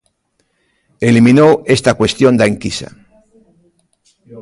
Eliminou esta cuestión da enquisa.